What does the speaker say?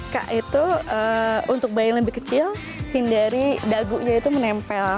k itu untuk bayi yang lebih kecil hindari dagunya itu menempel